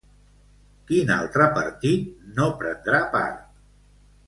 Quin altre partit no prendrà part?